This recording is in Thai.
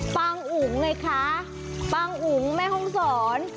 ปางอุ๋มไงค่ะปางอุ๋มแม่ห้องสอน